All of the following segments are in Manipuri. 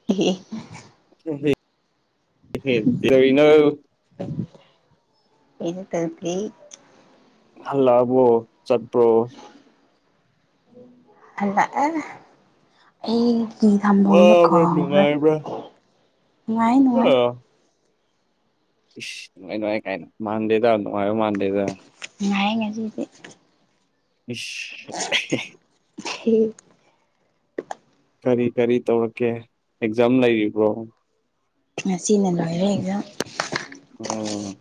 [unintelligible] [unintelligible] [unintelligible] ꯍꯜꯂꯛꯑꯕꯣ ꯆꯠꯄ꯭ꯔꯣ ꯍꯥꯜꯛ ꯑꯥ ꯑꯩꯒꯤ ꯀꯏ ꯊꯝꯐꯝꯁꯨ ꯋꯥꯕ꯭ꯔꯥ ꯀꯥꯎꯈ꯭ꯔꯦ ꯅꯨꯡꯉꯥꯏꯕ꯭ꯔꯥ ꯅꯨꯡꯉꯥꯏ ꯅꯨꯡꯉꯥꯏ ꯑꯥ ꯏꯁ ꯅꯨꯡꯉꯥꯏ ꯅꯨꯡꯉꯥꯏ ꯀꯥꯏꯅ ꯃꯥꯟꯗꯦꯗ ꯅꯨꯡꯉꯥꯏꯕ ꯃꯥꯟꯗꯦꯗ ꯉꯥꯏ ꯉꯁꯤꯗꯤ꯫ [unintelligible] ꯍꯦ ꯀꯔꯤ ꯀꯔꯤ ꯇꯧꯔꯛꯀꯦ ꯑꯦꯛꯖꯥꯝ ꯂꯩꯔꯤꯕꯣ ꯉꯁꯤꯅ ꯂꯣꯏꯔꯦ ꯑꯦꯛꯖꯥꯝ ꯑꯣ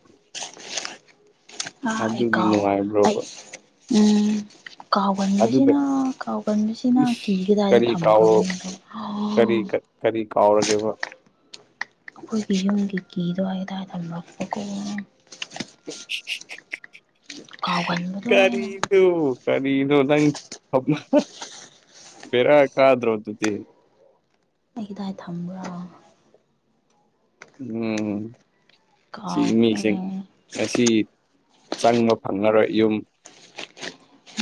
ꯑ ꯑꯗꯨꯒꯤ ꯑꯩꯀꯑꯣ ꯑꯩ ꯅꯨꯡꯉꯥꯏꯕ꯭ꯔꯣꯕ ꯎꯝ ꯑꯗꯨꯒ ꯀꯥꯎꯒꯟꯕꯁꯤꯅ ꯀꯥꯎꯒꯟꯕꯁꯤꯅ ꯏꯁ ꯀꯤꯒꯗꯥꯏꯗ ꯀꯔꯤ ꯀꯥꯎ ꯀꯔꯤ ꯊꯝꯈ꯭ꯔꯕꯅꯤꯅꯗꯣ ꯀꯔꯤ ꯀꯥꯎꯔꯒꯦꯕ ꯈꯣꯏ ꯍꯒꯤ ꯒꯤ ꯇꯣꯏꯗ ꯍꯥꯏꯗ ꯃꯐ ꯑꯣꯏ ꯀꯥꯎꯒꯟꯕꯗꯣ ꯀꯔꯤ ꯑꯩꯅ ꯀꯔꯤꯅꯣ ꯅꯪ [unintelligible] ꯚꯦꫪꯥ ꯀꯥꯗ꯭ꯔꯣ ꯑꯗꯨꯗꯤ ꯑꯩ ꯀꯗꯥꯏ ꯊꯝꯕ꯭ꯔꯣ ꯎꯝ ꯁꯤꯃꯤꯁꯤꯡ ꯀꯥꯎꯈ꯭ꯔꯦꯅꯦ ꯉꯁꯤ ꯆꯪꯕ ꯐꯪꯉꯔꯣꯏ ꯌꯨꯝ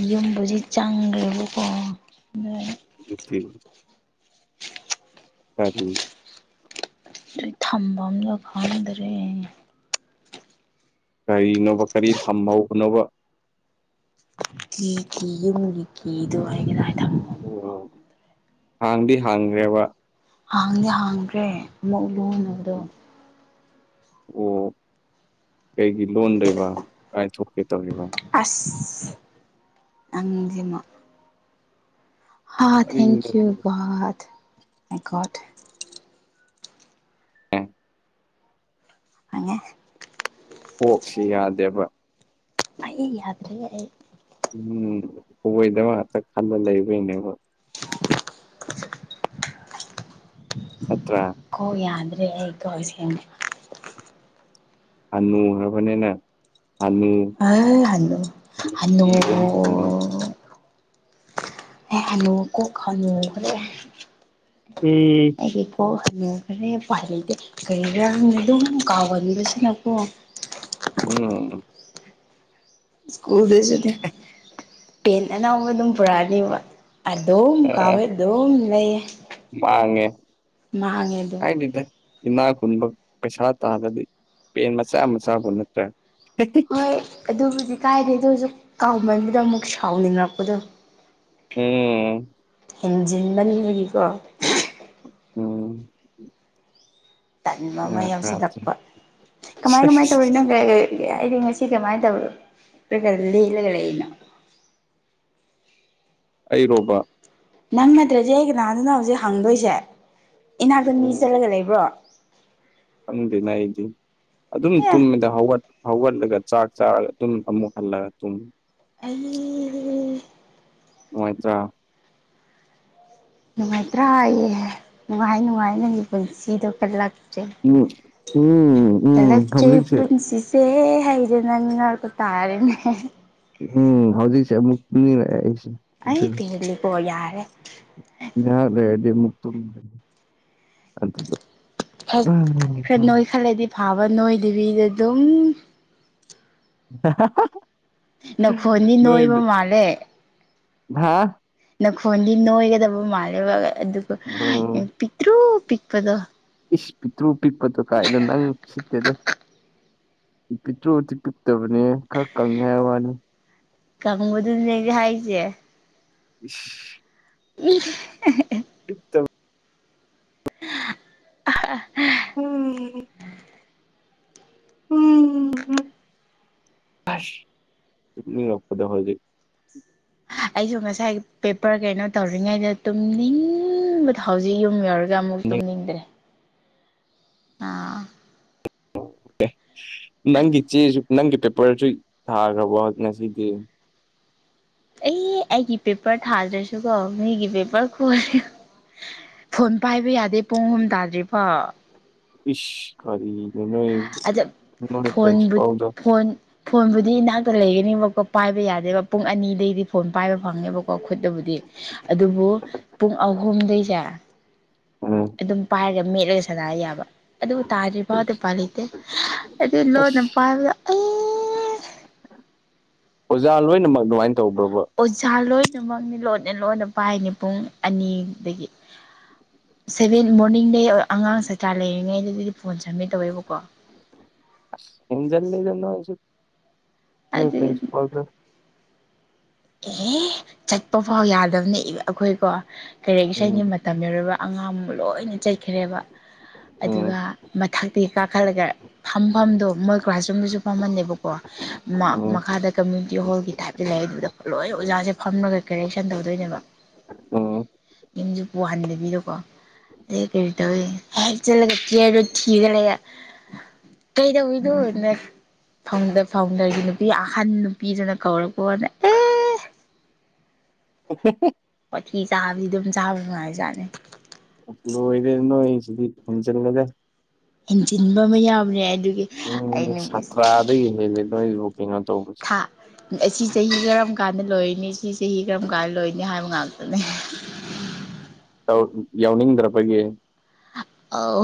ꯌꯨꯝꯕꯁꯤ ꯆꯪꯈ꯭ꯔꯦꯕꯀꯣ ꯑ [unintelligible] ꯀꯥꯔꯤ ꯑꯩ ꯊꯝꯕꯝꯗꯣ ꯈꯪꯗ꯭ꯔꯦ꯫ ꯀꯔꯤꯅꯣꯕ ꯀꯔꯤ ꯊꯝꯍꯧꯅꯣꯕ ꯀꯤ ꯀꯤ ꯌꯨꯝꯒꯤ ꯀꯤꯗꯣ ꯍꯥꯏꯒꯦꯗꯥ ꯍꯥꯏꯗ ꯑꯣ ꯍꯥꯡꯗꯤ ꯍꯥꯡꯈ꯭ꯔꯦꯕ ꯍꯥꯡꯗꯤ ꯍꯥꯡꯗ꯭ꯔꯦ ꯑꯃꯨꯛꯂꯨꯅ ꯑꯣ ꯀꯩꯒꯤ ꯂꯣꯟꯗꯣꯏꯕ ꯀꯥꯏꯊꯣꯛꯀꯦ ꯇꯧꯔꯤꯕ ꯑꯁ ꯅꯪꯖꯤꯃ ꯍ ꯀꯔꯤꯅꯣ ꯊꯦꯡꯀꯌꯨ [unintelligible] ꯑꯣꯛꯁꯤ ꯌꯥꯗꯦꯕ ꯑꯩ ꯌꯥꯗ꯭ꯔꯦ ꯑꯩ ꯎꯝ ꯀꯣꯏꯗꯕ ꯉꯥꯛꯇ ꯈꯜꯂ ꯂꯩꯕꯣꯏꯅꯦꯕ [inaudible] ꯅꯠꯇꯔ ꯀꯣ ꯌꯥꯗ꯭ꯔꯦ ꯑꯩꯀꯣ ꯍꯥꯅꯨ ꯈꯔꯕꯅꯤꯅꯥ ꯑ ꯍꯜꯂꯣ ꯍꯜꯂꯣ ꯍꯅꯨꯕꯤ ꯑꯣꯟꯈ꯭ꯔꯕꯅꯤꯅ ꯍꯅꯨ ꯀꯣꯛ ꯈꯔꯦ ꯫ [unintelligible] ꯑꯩꯒꯤꯀꯣꯛ ꯍꯉꯈꯔꯦ ꯄ ꯂꯩꯇꯦ ꯀꯔꯤꯔꯥ ꯑꯗꯨꯝ ꯀꯥꯎꯒꯅꯤꯕꯁꯤꯅꯀꯣ ꯎꯝ ꯁ꯭ꯀꯨꯜꯗꯁꯨꯅꯦ ꯄꯦꯟ ꯑꯅꯧꯕ ꯑꯗꯨꯝ ꯄꯨꯔꯛꯑꯅꯦꯕ ꯑꯗꯣꯝ ꯀꯥꯎꯋ‌ꯦ ꯑꯗꯣꯝ ꯂꯩꯌꯦ ꯃꯥꯥꯡꯉꯦ ꯃꯥꯡꯉꯦ ꯑꯗꯨꯝ ꯀꯥꯏꯗ‌ꯦꯗ ꯏꯅꯥ ꯈꯨꯨꯟꯕ ꯄꯩꯁꯥ ꯇꯥꯟꯂꯗꯤ ꯄꯦꯟ ꯃꯆꯥ ꯃꯆꯥꯕꯨ ꯅꯠꯇ꯭ꯔꯥ ꯍꯣꯏ ꯑꯗꯨꯕꯨꯗꯤ ꯀꯥꯏꯗꯦ ꯑꯗꫭꯔꯁꯨ ꯀꯥꯎꯃꯟꯕꯗ ꯑꯃꯨꯛ ꯁꯥꯎꯅꯤꯡꯉꯛꯄꯗꯣ ꯎꯝ ꯎꯝ ꯍꯦꯟꯖꯤꯟꯕꯅꯤꯕꯒꯤꯀꯣ ꯎꯝ ꯇꯟꯕ ꯑꯃ ꯌꯥꯎꯁꯤꯜꯂꯛꯄ ꯀꯃꯥꯏ ꯀꯃꯥꯏꯅ ꯇꯧꯔꯤ ꯅꯪ ꯑꯩꯗꯤ ꯉꯁꯤ ꯀꯃꯥꯏꯅ ꯇꯧ ꯔꯒ ꯂꯦꯜꯂꯒ ꯂꯩꯔꯤꯅꯣ ꯑꯩꯔꯣꯕ ꯅꯪ ꯅꯠꯇ꯭ꯔꯗꯤ ꯑꯩ ꯀꯅꯥꯗꯅꫭ ꯍꯧꯖꯤꯛ ꯍꯪꯗꯣꯏꯁꯦ ꯏꯅꯥꯛꯇ ꯃꯤ ꯆꯠꯂꯒ ꯂꯩꯕ꯭ꯔꯣ ꯈꯪꯗꯦꯅ‌ꯦ ꯑꯩꯗꯤ ꯑꯗꯨꯝ ꯑꯦ ꯇꯨꯝꯃꯤꯗ ꯍꯧꯒꯠ ꯍꯧꯒꯠꯂꯒ ꯆꯥꯛ ꯆꯥꯔꯒ ꯑꯗꯨꯝ ꯑꯃꯨꯛ ꯍꯜꯂꯒ ꯑꯗꯨꯨꯝ ꯇꯨꯝ ꯑꯩ ꯅꯨꯉꯥꯏꯇ꯭ꯔꯥ ꯅꯨꯡꯉꯥꯏꯇ꯭ꯔꯥ ꯌ‌ꯦ ꯅꯨꯡꯉꯥꯏ ꯅꯨꯡꯉꯥꯏ ꯅꯪꯒꯤ ꯄꯨꯟꯁꯤꯗꯣ ꯀꯜꯂꯛꯆꯩ ꯎꯝ ꯎꯝ ꯎꯝ ꯀꯂꯛꯆꯩ ꯍꯧꯖꯤꯛꯁꯦ ꯄꯨꯟꯁꯤꯁꯦ ꯍꯥꯏꯕꯗꯨ ꯅꯪꯅ ꯇꯥꯔꯦꯅꯦ ꯎꯝ ꯍꯧꯖꯤꯛꯁꯦ ꯑꯃꯨꯛꯅꯤꯔꯛꯑꯦ ꯑꯩꯁꯦ ꯑꯩ ꯑꯗꯨ ꯄꯦꯜꯂꯤꯀꯣ ꯌꯥꯔꯦ ꯉꯥꯏꯍꯥꯛ ꯂꯩꯔꯗꯤ ꯃꯨꯛ ꯇꯨꯝꯃꯅꯤ ꯑꯗꯨꯒ ꯈꯔ ꯎꯝ, ꯅꯣꯏ ꯈꯜꯂꯗꯤ ꯐꯥꯕ ꯅꯣꯏꯗꯕꯤꯗ ꯑꯗꯨꯝ [unintelligible] ꯅꯈꯣꯟꯅꯤ ꯅꯣꯏꯕ ꯃꯥꯜꯂꯦ ꯍꯥꯥ ꯅꯈꯣꯟꯗꯤ ꯅꯣꯏꯒꯗꯕ ꯃꯥꯜꯂꯦꯕ ꯑꯗꯨꯒ ꯎꯝ ꯄꯤꯛꯇ꯭ꯔꯨ ꯄꯤꯛꯄꯗꯣ ꯏꯁ ꯄꯤꯛꯇ꯭ꯔꯨ ꯄꯤꯛꯄꯗꯨ ꯀꯥꯏꯅ ꯅꯪ ꯎꯁꯤꯠꯇꯦꯗ꯫ ꯄꯤꯛꯇ꯭ꯔꯨꯗꯤ ꯄꯤꯛꯇꯕꯅꯦꯍ‌ꯦ ꯈꯔ ꯀꯪꯉꯦ ꯍꯥꯏꯕ ꯋꯥꯅꯤ ꯀꯪꯕꯗꯨꯅ‌ꯦ ꯑꯩꯖꯨ ꯍꯥꯏꯁ‌ꯦ ꯏꯁ [unintelligible] ꯄꯤꯛꯇꯞ [unintelligible] [unintelligible] ꯑꯁ ꯇꯨꯝꯅꯤꯡꯉꯛꯄꯗꫭ ꯍꯧꯖꯤꯛ ꯑꯩꯁꯨ ꯉꯁꯥꯏ ꯄꯦꯄꯔ ꯀꯩꯅꯣ ꯇꯧꯔꯤꯉꯩꯗ ꯇꯨꯝꯅꯤꯡꯕꯗ ꯍꯧꯖꯤꯛ ꯌꯨꯝ ꯌꯧꯔꯛ ꯑꯃꯨꯛ ꯇꯨꯝꯅꯤꯡꯗ꯭ꯔꯦ ꯑꯥ ꯑꯦ ꯅꯪꯒꯤ ꯆꯦꯁꯨ ꯅꯪꯒꯤ ꯄꯦꯄꯔꯁꯨ ꯊꯥꯈ꯭ꯔꯕꯣ ꯉꯁꯤꯗꯤ ꯑꯩ ꯑꯩꯒꯤ ꯄꯦꯄꯔ ꯊꯥꯗ꯭ꯔꯁꯨꯀꯣ ꯃꯒꯤ ꯄꯦꯄꯔ ꯈꯣꯏ ꯐꯣꯟ ꯄꯥꯏꯕ ꯌꯥꯗꯦ ꯄꯨꯡ ꯑꯍꯨꯝ ꯇꯥꯗ꯭ꯔꯤꯐꯥꯎ ꯏꯁ ꯀꯔꯤꯅꫭ ꯅꫭꯏ ꯑꯗ ꯅꫭꯏ ꯐꯣꯟꯕꯨ ꯄꯔꯤꯟꯁꯤꯄꯥꯜꯗꫭ ꯐꯣꯟ ꯐꯣꯟꯕꯨꯗꯤ ꯏꯅꯥꯛꯇ ꯂꯩꯒꯅꯦꯕꯀꯣ ꯄꯥꯏꯕ ꯌꯥꯗꯦꯕ ꯄꯨꯡ ꯑꯅꯤꯗꯩꯗꯤ ꯐꯣꯟ ꯄꯥꯏꯕ ꯐꯪꯉꯦꯕꯀꯣ ꯈꯨꯠꯇꯕꯨꯗꯤ ꯑꯗꯨꯕꯨ ꯄꯨꯡ ꯑꯍꯨꯝꯗꯩꯁꯦ ꯎꯝ ꯑꯗꯨꯝ ꯄꯥꯏꯔꯒ ꯃꯦꯠꯂꯒ ꯁꯥꯟꯅ ꯌꯥꯕ꯫ ꯑꯗꯨ ꯇꯥꯗ꯭ꯔꯤ ꯐꯥꯎꯗꯤ ꯎꯄꯥꯏ ꯂꯩꯇꯦ ꯑꯗꯨ ꯂꯣꯟꯅ ꯑꯁ ꯄꯥꯕꯗ ꯑꯩ ꯑꯣꯖꯥ ꯂꯣꯏꯅꯃꯛ ꯑꯗꯨꯃꯥꯏꯅ ꯇꯧꯕ꯭ꯔꯣꯕ꯫ ꯑꯣꯖꯥ ꯂꯣꯏꯅꯃꯛꯅꯤ ꯂꯣꯟꯅ ꯂꯣꯟꯅ ꯄꯥꯏꯅꯤ ꯄꯨꯡ ꯑꯅꯤꯗꯒꯤ ꯁꯚꯦꯟ ꯃꯣꯔꯅꯤꯡꯗꯩ ꯑꯉꯥꯡ ꯆꯇ꯭ꯔꯥ ꯂꯩꯔꯤꯉꯩꯗ ꯑꯗꯨꯗꯤ ꯐꯣꯟ ꯆꯃꯦ ꯇꯧꯋꯦꯕꯀꯣ ꯍꯦꯟꯖꯜ ꯂꯦꯗ ꯅꯣꯏꯁꯨ ꯅꯣꯏ ꯑꯗꯨꯗꯤ ꯄꯁꯤꯄꯜꯗ ꯑꯦꯍ ꯆꯠꯄ ꯐꯥꯎ ꯌꯥꯗꯕꯅꯦ ꯏꯕ ꯑꯩꯈꯣꯏꯀꯣ ꯀꯩꯔꯦꯛ ꯎꯝ ꯁꯒꯤ ꯇꯝꯅꯔꯕ ꯑꯉꯥꯡ ꯂꯣꯏꯅ ꯆꯩꯠꯈ꯭ꯔꯦꯕ ꯎꯝ ꯑꯗꯨꯒ ꯃꯊꯛꯇꯒꯤ ꯀꯥꯈꯠꯂꯒ ꯐꯝꯐꯝꯗꯣ ꯃꯣꯏ ꯀ꯭ꯂꯥꯁꯔꯨꯝꯗꯁꯨ ꯐꯝꯍꯜꯟꯅꯦꯕꯀꯣ ꯎꯝ ꯃꯈꯥꯗ ꯀꯝꯃ꯭ꯌꯨꯅꯤꯇꯤ ꯍꯣꯜꯒꯤ ꯇꯥꯏꯞꯇ ꯂꯩ ꯑꯗꯨꯗ ꯂꯣꯏ ꯑꯣꯖꯥꯁꯦ ꯐꯝꯔꯒ ꯀꯦꯔꯦꯛꯁꯟ ꯇꯧꯗꯣꯏꯅꯦꯕ ꯎꯝ ꯌꯁꯨ ꯋꯥꯍꯟꯗꯕꯤꯗꯀꯣ ꯀꯔꯤ ꯇꯧꯋ ꯍꯦꯛ ꯆꯂꯔ ꯊꯤꯒ ꯂꯩꯌꯦ ꯀꯩꯗꯧꯏꯅꯣ ꯐꯥꯎꯟꯗꯔ ꯐꯥꯎꯟꯗꯔꯒꯤ ꯅꯨꯄꯤ ꯑꯍꯟ ꯅꯨꯄꯤꯗꯨꯅ ꯀꯧꯔꯛꯄꯣꯅ [unintelligible] ꯋꯊꯤ ꯆꯥꯕꯗꯤ ꯑꯗꯨꯝ ꯆꯥꯕ ꯅꯨꯡꯉꯥꯏꯖꯥꯠꯅꯤ [unintelligible] ꯑꯣꯏꯔꯦ ꯅꯣꯢꯁꯤꯗꯤ ꯍꯨꯝꯖꯜꯂꯒ ꯏꯟꯖꯤꯟꯕ ꯑꯃ ꯌꯥꯎꯕꯅꯦ ꯑꯗꯨꯒꯤ ꯎꯝ ꯑꯩꯅ ꯁꯥꯇ꯭ꯔꯥꯗꯒꯤꯅꯦꯦ ꯅꯣꯏ ꯕꯨꯀꯤꯡ ꯇꯧꯕꯁꯦ ꯊꯥ ꯑꯁꯤ ꯆꯍꯤ ꯀꯔꯝ ꯀꯥꯟꯗ ꯂꯣꯏꯅꯤ ꯁꯤ ꯆꯍꯤ ꯀꯔꯝ ꯀꯥꯟꯗ ꯂꯣꯏꯅꯤ ꯍꯥꯏꯕ ꯉꯥꯛꯇꯅꯦ꯫ ꯌꯥꯎꯅꯤꯡꯗ꯭ꯔꯕꯒꯤ ꯑꯧ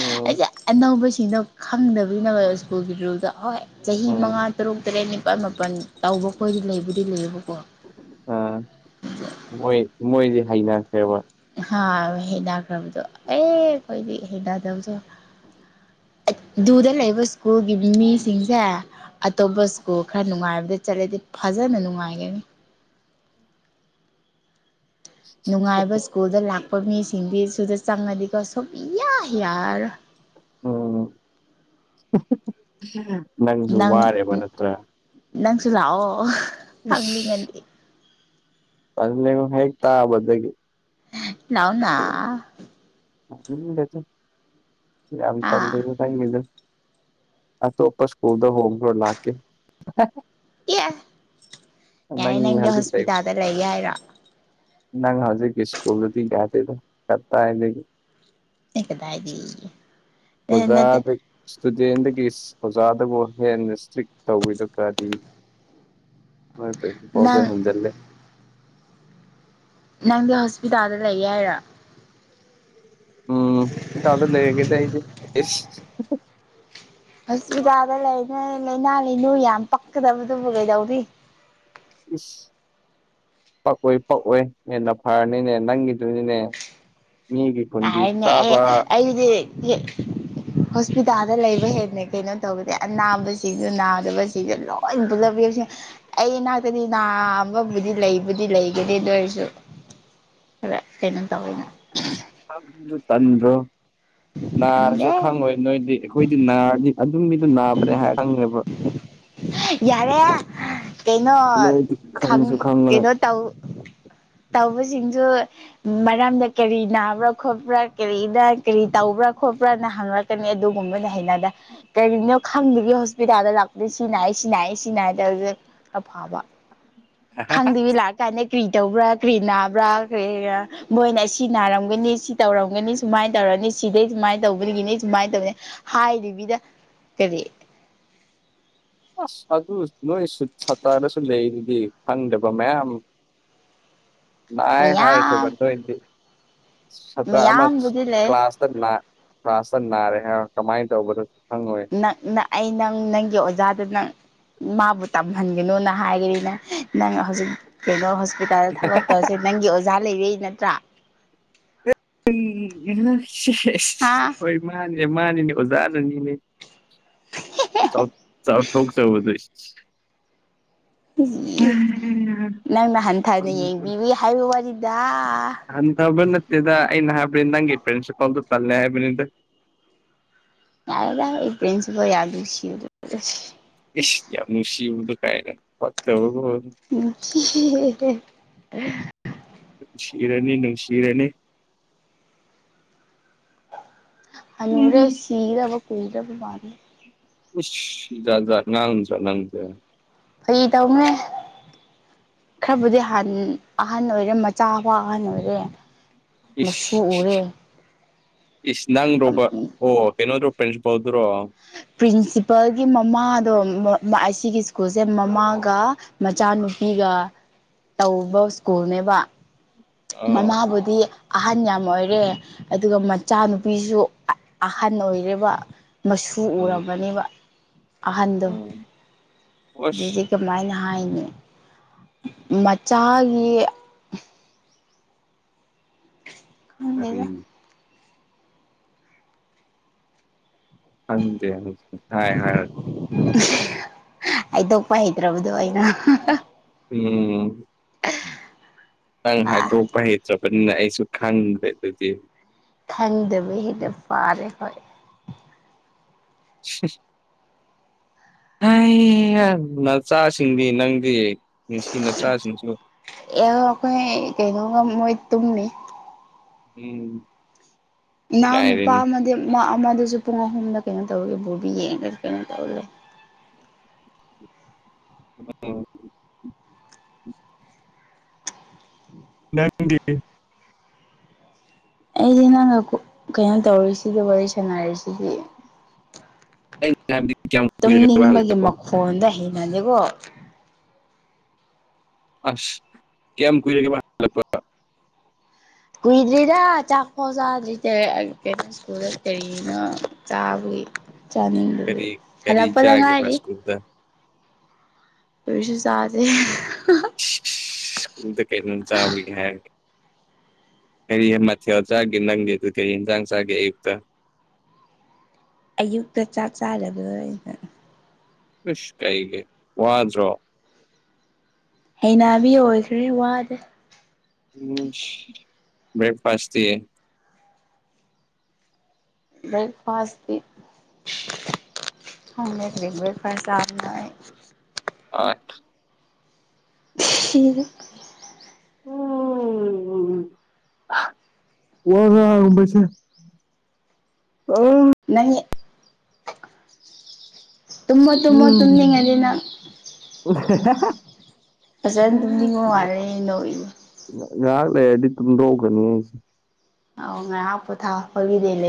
ꯎꯝ ꯑꯩꯁꯦ ꯑꯅꯧꯕꯁꯤꯡꯅ ꯈꯪꯗꯕꯒꯤ ꯅꯪ ꯁ꯭ꯨꯀꯜꯒꯤ ꯔꯨꯜꯗ ꯍꯣꯏ꯫ ꯆꯍꯤ ꯎꯝ ꯃꯉꯥ ꯇꯔꯨꯛ ꯇꯔꯦꯠ ꯅꯤꯄꯥꯜ ꯃꯥꯄꯜ ꯇꯧꯕ ꯈꯈꯣꯏꯗꯤ ꯂꯩꯕꯨꯗꯤ ꯂꯩꯌꯦꯕꯀꯣ ꯑꯥ ꯃꯣꯏ ꯃꯣꯏꯗꯤ ꯍꯩꯅꯈ꯭ꯔꯦꯕ꯫ ꯍꯥ ꯍꯩꯅꯩꯅꯈ꯭ꯔꯕꯗꯣ ꯑꯦ ꯑꯩꯈꯣꯏꯗꯤ ꯍꯩꯅꯗꯕꯁꯨ ꯑꯗꯨꯗ ꯂꯩꯕ ꯁ꯭ꯀꯨꯜꯒꯤ ꯃꯤꯁꯤꯡꯁꯦ ꯑꯇꯣꯞꯄ ꯁ꯭ꯀꯨꯜ ꯈꯔ ꯅꯨꯡꯉꯥꯏꯕꯗ ꯆꯠꯂꯗꯤ ꯐꯖꯅ ꯅꯨꯡꯉꯥꯏꯒꯅꯤ ꯅꯨꯡꯉꯥꯏꯕ ꯁ꯭ꯀꯨꯜꯗ ꯂꯥꯛꯄ ꯃꯤꯁꯤꯡꯗꯤ ꯁꯨꯗ ꯆꯪꯉꯗꯤꯀꯣ ꯁꯨꯛꯌꯥ ꯌꯥꯔꯣꯏ ꯑ [unintelligible] ꯅꯪ ꯅꯪꯁꯨ ꯂꯥꯛꯑꯣ ꯈꯪꯅꯤꯡꯉꯗꯤ꯫ ꯍꯦꯛꯇꯥꯕꯗꯒꯤ ꯂꯎꯅꯥ ꯌꯥꯝ ꯑꯥ ꯇꯜꯂꯦꯗ ꯑꯇꯣꯞꯄ ꯁ꯭ꯀꯨꯜꯗ ꯍꯣꯡꯕꯔꯣ ꯂꯥꯛꯀꯦ ꯑꯦ ꯌꯥꯅꯦ ꯅꯪ ꯅꯪꯗꯤ ꯍꯧꯖꯤꯛ ꯍꯣꯁꯄꯤꯇꯥꯜꯗ ꯂꯩ ꯍꯥꯏꯔꯣ ꯅꯪ ꯍꯧꯖꯤꯛꯀꯤ ꯏꯁꯀꯨꯜꯗꯨꯗꯤ ꯌꯥꯗꯦꯗ ꯀꯗꯥꯏꯗꯒꯤ꯫ ꯑꯦ ꯀꯗꯥꯏꯗꯒꯤ ꯑꯦ ꯅꯠꯇꯦ ꯑꯣꯖꯥꯗꯩ ꯏꯁꯇꯨꯗꯦꯟꯗꯒꯤ ꯑꯣꯖꯥꯗꯕꯨ ꯍꯦꯟꯅ ꯏꯁꯇ꯭ꯔꯤꯛ ꯇꯧꯋꯤꯗ ꯀꯗꯤ ꯅꯪ [unintelligible] ꯅꯪꯗꯤ ꯍꯣꯁꯄꯤꯇꯥꯜꯗ ꯂꯩ ꯍꯥꯏꯏꯔꯥ ꯎꯝ ꯍꯣꯁꯄꯤꯇꯥꯜꯗ ꯂꯩꯔꯒꯦꯗꯤ ꯑꯩꯗꯤ ꯍꯣꯁꯄꯤꯇꯥꯜꯗ ꯂꯩ ꯂꯥꯏꯅꯥ ꯂꯅꯨ ꯌꯥꯝ ꯄꯛꯀꯗꯕꯗꯨꯕꯨ ꯀꯩꯗꯧꯔꯤ ꯏꯁ ꯄꯛꯑꯣꯏ ꯄꯛꯑꯣꯏ ꯍꯦꯟꯅ ꯐꯔꯅꯤꯅꯦ ꯅꯪꯒꯤꯗꯨꯅꯅꯦ [unintelligible] ꯑꯩ ꯑꯩꯗꯤ ꯍꯣꯁꯄꯤꯇꯥꯜꯗ ꯂꯩꯕ ꯍꯦꯟꯅ ꯀꯩꯅꯣ ꯇꯧꯕꯗꯤ ꯑꯅꯥꯕꯕꯁꯤꯁꯨ ꯅꯥꯗꯕ ꯁꯤꯁꯦ ꯂꯣꯏ ꯄꯨꯜꯂꯞꯕꯤ ꯁꯦ ꯑꯩ ꯏꯅꯥꯛꯇꯗꯤ ꯅꯥ ꯑꯃꯕꯨꯗꯤ ꯂꯩꯕꯨꯗꯤ ꯂꯩꯒꯅꯤꯦ ꯅꯣꯏꯔꯁꯨ ꯈꯔ ꯀꯩꯅꯣꯝ ꯇꯧꯋꯤꯅ ꯆꯟꯕ꯭ꯔꯣ ꯅꯥꯁꯨ ꯇꯜꯂꯦ ꯈꯪꯉꯣꯏ ꯅꯣꯏꯗꯤ ꯑꯩꯈꯣꯏꯗꯤ ꯅꯥꯔꯗꯤ ꯑꯗꯨꯝ ꯃꯤꯗꯨ ꯅꯥꯕꯅꯦ ꯍꯥꯏꯔ ꯈꯪꯉꯦꯕ ꯌꯥꯔꯦ ꯀꯩꯅꯣ ꯅꯣꯏꯗꯤ ꯈꯪ ꯈꯪꯁꯨ ꯈꯪꯉꯣꯏ ꯀꯩꯅꯣ ꯇꯧ ꯇꯧꯕꯁꯤꯡꯁꯨ ꯃꯔꯝꯗ ꯀꯔꯤ ꯅꯥꯕ꯭ꯔꯥ ꯈꯣꯠꯄ꯭ꯔꯥ ꯀꯔꯤꯗ ꯀꯔꯤ ꯇꯧꯕ꯭ꯔꯥ ꯈꯣꯠꯄ꯭ꯔꯥꯅ ꯍꯪꯉꯛ ꯑꯗꯨꯒꯨꯝꯕꯗꯤꯍꯩꯅꯗꯦ ꯀꯔꯤꯒꯤꯅꯣ ꯈꯪꯗꯕꯤ ꯍꯣꯁꯄꯤꯇꯥꯜꯗ ꯂꯥꯛ ꯑꯗꯩ ꯁꯤ ꯅꯥꯏ ꯁꯤ ꯅꯥꯏ ꯁꯤ ꯅꯥꯏꯗ ꯍꯧꯁ ꯑꯐꯕ ꯈꯪꯗꯕꯤ ꯂꯥꯛ ꯀꯥꯏꯅ ꯀ꯭ꯔꯤ ꯇꯧꯕ꯭ꯔꯥ ꯀ꯭ꯔꯤ ꯅꯥꯕ꯭ꯔꯥ ꯀꯔꯤ ꯃꯣꯏꯅ ꯑꯁꯤ ꯅꯥꯔꯝꯒꯅꯤ ꯁꯤ ꯇꯧꯔꯝꯒꯅꯤ ꯁꯨꯃꯥꯏꯅ ꯇꯧꯔꯅꯤ ꯁꯤꯗꯩ ꯁꯨꯃꯥꯏꯅ ꯇꯧꯕꯒꯤꯅꯤ ꯁꯨꯃꯥꯏꯅ ꯇꯧꯅꯤ ꯍꯥꯏꯗꯕꯤꯗ ꯀꯔꯤ ꯑꯁ ꯑꯗꯨ ꯅꯣꯏ ꯁꯨꯠ ꯁꯠꯇꯔꯗꯁꯨ ꯂꯩꯗꯨꯗꯤ ꯈꯪꯗꯕ ꯃꯌꯥꯝ ꯅꯥꯏ ꯃꯌꯥꯝ ꯍꯥꯏꯔꯖꯕꯟ ꯅꯣꯏꯗꯤ ꯁꯥꯇ꯭ꯔ ꯑꯃ ꯃꯌꯥꯝꯕꯨꯗꯤ ꯂꯩ ꯀ꯭ꯂꯥꯁ [unintelligible] ꯇ ꯅꯥꯔꯦ ꯍꯥꯏ ꯀꯃꯥꯏꯅ ꯇꯧꯕꯗꯁꯨ ꯈꯪꯉꯣꯏ [unintelligible] ꯅꯪ ꯑꯩ ꯅꯪ ꯅꯪꯒꯤ ꯑꯣꯖꯥꯗ ꯅꯪ ꯃꯥꯕꯨ ꯇꯝꯍꯟꯒꯅꯨꯅ ꯍꯥꯏꯒꯅꯤꯅ ꯅꯪ ꯍꯧꯖꯤꯛ ꯀꯩꯅꯣ ꯍꯣꯁꯄꯤꯇꯥꯜꯗ ꯊꯕꯛ ꯇꯧꯁꯦ ꯅꯪꯒꯤ ꯑꯣꯖꯥ ꯂꯩꯕꯩ ꯅꯠꯇ꯭ꯔꯥ ꯑꯩ ꯍꯥ [unintelligible] ꯍꯣꯏ ꯃꯥꯅꯦ ꯃꯥꯅꯤꯅꯦ ꯑꯣꯖꯥꯅꯅꯤꯅꯦ ꯆ ꯆꯊꯣꯛ [unintelligible] ꯅꯪꯅ ꯍꯟꯊꯅ ꯌꯦꯡꯕꯤꯕ ꯍꯥꯏꯕ ꯋꯥꯔꯤꯗ ꯍꯟꯊꯕ ꯅꯠꯇꯦꯗ ꯑꯩꯅ ꯍꯥꯏꯕꯅꯤ ꯅꯪꯒꯤ ꯄ꯭ꯔꯦꯟꯁꯤꯄꯥꯜꯠꯣ ꯇꯜꯂꯦ ꯍꯥꯏꯕꯅꯤꯗ ꯌꯥꯔꯦ ꯌꯥꯔꯦ ꯑꯩ ꯄ꯭ꯔꯦꯟꯁꯤꯄꯥꯜ ꯌꯥꯝ ꯅꯨꯡꯁꯤꯕ [unintelligible] ꯏꯤꯁ ꯌꯥꯝ ꯅꯨꯡꯁꯤꯕꯗꯨ ꯀꯥꯏꯅ ꯐꯠꯇ [unintelligible] [unintelligible] ꯅꯨꯡꯁꯤꯔꯅꯤ ꯅꯨꯡꯁꯤꯔꯅꯤ ꯍꯥꯅꯨꯔꯦ ꯎꯝ ꯁꯤꯒꯗꯕꯥ ꯀꯨꯏꯗ꯭ꯔꯥꯕ ꯃꯥꯅꯤ ꯏꯁ ꯖꯥꯠ ꯖꯥꯠ [unintelligible] ꯅꯪꯗꯤ ꯐꯒꯤ ꯇꯧꯕꯅꯦ ꯈꯔꯕꯨꯗꯤ ꯍꯥꯟ ꯑꯍꯟ ꯑꯣꯏꯔꯦ ꯃꯆꯥ ꯄꯥ ꯑꯍꯟ ꯑꯣꯏꯔꯦ ꯃꯁꯨ ꯎꯔꯦ ꯑꯁ ꯏꯁ ꯅꯪ ꯔꯣꯕ ꯑꯣ ꯀꯩꯅꯣꯗ꯭ꯔꯣ [unintelligible] ꯄ꯭ꯔꯤꯟꯁꯤꯄꯜꯒꯤ ꯃꯃꯥꯗꯣ ꯑꯩ ꯁꯤꯒꯤ ꯁ꯭ꯀꯨꯜꯁꯦ ꯃꯃꯥꯒ ꯃꯆꯥꯅꯨꯄꯤꯒ ꯇꯧꯕ ꯁ꯭ꯀꯨꯜꯅꯦꯕ ꯑꯥ ꯃꯃꯥꯕꯨꯗꯤ ꯑꯍꯟ ꯌꯥꯝ ꯑꯣꯏꯔꯦ ꯑꯗꯨꯒ ꯃꯆꯥꯅꯨꯄꯤꯖꯨ ꯑꯍꯟ ꯑꯣꯏꯔꯤꯕ ꯃꯁꯨ ꯑꯥ ꯎꯔꯕꯅꯦꯕ ꯑꯍꯟꯗꯣ ꯑꯗꯨꯗꯤ ꯑꯁ ꯀꯃꯥꯏꯅ ꯍꯥꯏꯅꯤ ꯃꯆꯥꯒꯤ ꯈꯪꯗꯦꯗ [unintelligible] ꯈꯪꯗꯦ ꯑꯗꯨ ꯁꯨꯡꯍꯥꯏ ꯍꯥꯏꯔꯣꯏ [unintelligible] ꯍꯩꯗꯣꯛꯄ ꯍꯩꯇ꯭ꯔꯕꯗꯣ ꯑꯩꯅ [unintelligible] ꯎꯝ ꯅꯪ ꯑꯥ ꯍꯥꯏꯗꯣꯛꯄ ꯍꯩꯇ꯭ꯔꯕꯅꯤꯅ ꯑꯩꯁꯨ ꯈꯟꯗ꯭ꯔꯦ ꯑꯗꯨꯗꯤ ꯈꯪꯗꯕ ꯍꯦꯟꯅ ꯐꯥꯔꯦ ꯍꯣꯏ [unintelligible] ꯅꯆꯥꯁꯤꯡꯗꯤ ꯅꯪꯗꯤ [unintelligible] ꯅꯆꯥ ꯁꯤꯡꯁꯨ ꯑꯦ ꯑꯩꯈꯣꯏ ꯀꯩꯅꯣꯒ ꯃꯣꯏ ꯇꯨꯝꯃꯤ ꯎꯝ ꯏꯅꯥꯎ ꯅꯨꯄꯥ ꯉꯥꯏꯔꯦꯅꯦ ꯑꯃꯗꯤ ꯑꯃꯗꯁꯨ ꯄꯨꯡ ꯑꯍꯨꯝꯗ ꯀꯩꯅꯣ ꯇꯧꯔꯒꯦ ꯕꯣꯕꯤ [unintelligible] [unintelligible] ꯅꯪꯒꯤ ꯑꯩꯗꯤ ꯅꯪꯅ ꯀꯩꯅꯣ ꯇꯧꯔꯤꯁꯤꯗ ꯋꯥꯔꯤ ꯁꯥꯟꯅꯔꯤꯁꯤꯗꯤ ꯑꯩꯅ ꯍꯥꯏꯕꯗꯤ ꯀꯌꯥꯝ ꯀꯨꯏꯔꯒꯦꯕ ꯇꯨꯝꯅꯤꯡꯕꯒꯤ ꯍꯜꯂꯛꯄ ꯃꯈꯣꯟꯗ ꯍꯩꯅꯗꯦꯀꯣ ꯑꯁ ꯀꯌꯥꯝ ꯀꯨꯏꯔꯥꯒꯦ ꯀꯨꯏꯗꯔꯤꯗ ꯆꯥꯛꯐꯥꯎ ꯆꯥꯗꯔꯤ [unintelligible] ꯂꯣꯏꯔꯦ ꯀꯔꯤꯅꯣ ꯆꯥꯕꯒꯤ ꯆꯥꯅꯤꯡꯗꯕꯩ ꯀꯔꯤ ꯀꯔꯤ ꯍꯜꯂꯛꯄꯗ ꯆꯥꯒꯦꯕ ꯉꯥꯏꯔꯤ ꯁ꯭ꯀꯨꯜꯗ ꯀꯔꯤꯁꯨ ꯆꯥꯗ꯭ꯔꯤ [unintelligible] ꯇꯨꯡꯗ ꯀꯩꯅꯣꯝ ꯆꯥꯕꯒꯤ ꯍꯥꯏ ꯀꯔꯤ ꯃꯊꯦꯜ ꯆꯥꯒꯦ ꯅꯪꯗꯤ ꯀꯔꯤ ꯌꯦꯟꯖꯥꯡ ꯆꯥꯒꯦ ꯑꯌꯨꯛꯇ꯫ ꯑꯌꯨꯛꯇ ꯆꯥꯛ ꯆꯥꯔꯗꯕꯗꯣ ꯑꯩꯅ ꯏꯁ ꯀꯩꯒꯤ ꯋꯥꯗ꯭ꯔꯣ꯫ ꯍꯩꯅꯕꯤ ꯑꯣꯏꯈ꯭ꯔꯦ ꯋꯥꯗꯦ ꯎꯝ ꯕ꯭ꯔꯦꯛꯐꯥꯥꯁꯇꯤ ꯕ꯭ꯔꯦꯛꯐꯥꯁꯇꯤ [unintelligible] [unintelligible] ꯁꯤꯔꯦ꯫ [unintelligible] ꯋꯥ ꯉꯥꯡꯕꯁꯦ ꯑꯣ ꯅꯉꯤ ꯎꯝ [unintelligible] ꯐꯖꯅ ꯇꯨꯝꯅꯤꯡꯕ ꯃꯥꯜꯂꯦ ꯅꫭꯛꯏꯗꫭ ꯉꯥꯏꯍꯥꯛ ꯂꯩꯔꯗꯤ ꯇꯨꯝꯗꯣꯛꯒꯅꯤ ꯑꯁꯤ ꯑꯥꯎ ꯉꯩꯍꯥꯛ ꯄꯣꯊꯥꯎ ꯍꯣꯂꯤꯗꯦ ꯂꯩ